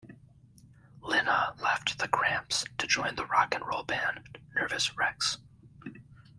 Linna left The Cramps to join the rock and roll band Nervus Rex.